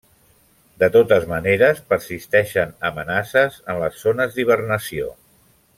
De totes maneres persisteixen amenaces en les zones d'hibernació.